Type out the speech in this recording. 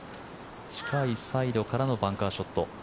近いサイドからのバンカーショット。